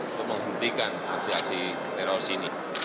untuk menghentikan aksi aksi teroris ini